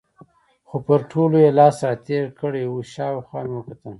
خو پر ټولو یې لاس را تېر کړی و، شاوخوا مې وکتل.